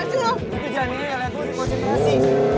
itu jangan ini yang lain tuh di konsentrasi